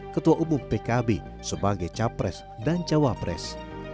ketua umum pkb sebagai capres dan cawapres